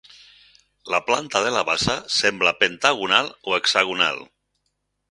La planta de la bassa sembla pentagonal o hexagonal.